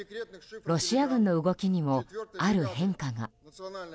ロシア軍の動きにもある変化が。